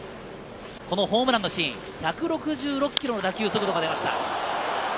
このホームランのシーン、１６６キロの打球速度が出ました。